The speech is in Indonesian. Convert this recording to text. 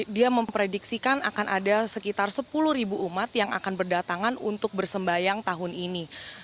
dia memprediksikan akan ada sekitar sepuluh ribu umat yang akan berdatangan untuk bersembayang tahun ini